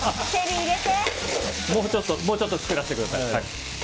もうちょっと作らせてください。